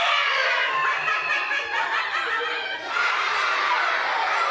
ハハハハ！